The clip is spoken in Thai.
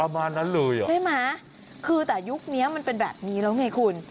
ประมาณนั้นเลยเหรอใช่ไหมคือแต่ยุคนี้มันเป็นแบบนี้แล้วไงคุณ